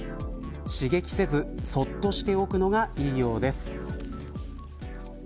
刺激せず、そっとしておくのがいいようです。